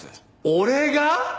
俺が？